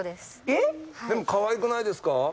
でもかわいくないですか？